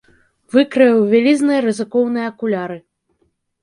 Выкраіў вялізныя, рызыкоўныя акуляры.